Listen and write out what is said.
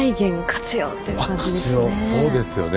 そうですよね。